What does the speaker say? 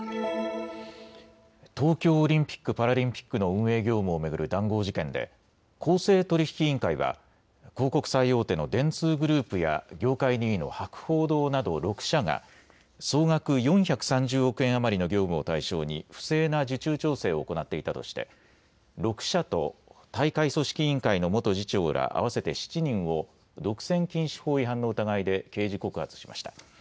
東京オリンピック・パラリンピックの運営業務を巡る談合事件で公正取引委員会は広告最大手の電通グループや業界２位の博報堂など６社が総額４３０億円余りの業務を対象に不正な受注調整を行っていたとして６社と大会組織委員会の元次長ら合わせて７人を独占禁止法違反の疑いで刑事告発しました。